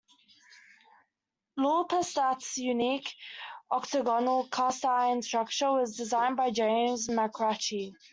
Lau Pa Sat's unique, octagonal, cast-iron structure was designed by James MacRitchie.